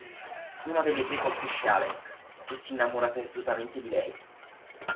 Una delle tre colpisce Alec, che si innamora perdutamente di lei.